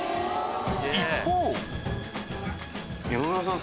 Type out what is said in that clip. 一方山室さん